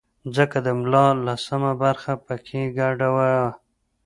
ځکه د ملا لسمه برخه په کې ګډه وه.